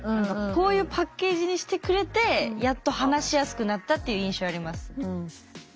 こういうパッケージにしてくれてやっと話しやすくなったっていう印象あります。